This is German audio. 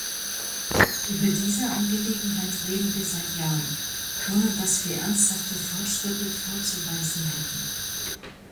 Über diese Angelegenheit reden wir seit Jahren, ohne dass wir ernsthafte Fortschritte vorzuweisen hätten.